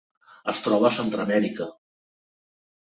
Es troba a Centreamèrica.